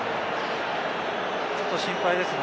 ちょっと心配ですね。